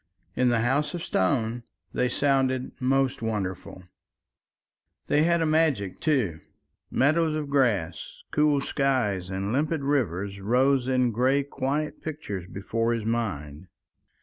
In the House of Stone they sounded most wonderful. They had a magic, too. Meadows of grass, cool skies, and limpid rivers rose in grey quiet pictures before his mind.